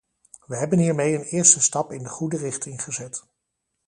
We hebben hiermee een eerste stap in de goede richting gezet.